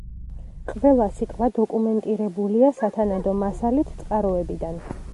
ყველა სიტყვა დოკუმენტირებულია სათანადო მასალით წყაროებიდან.